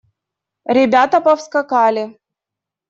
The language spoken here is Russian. Ребята повскакали.